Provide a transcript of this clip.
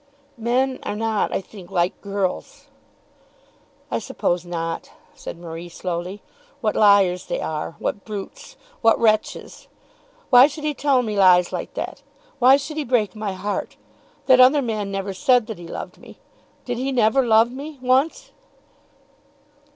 "Men are not, I think, like girls." "I suppose not," said Marie slowly. "What liars they are, what brutes; what wretches! Why should he tell me lies like that? Why should he break my heart? That other man never said that he loved me. Did he never love me, once?"